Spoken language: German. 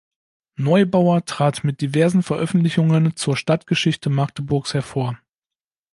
Neubauer trat mit diversen Veröffentlichungen zur Stadtgeschichte Magdeburgs hervor.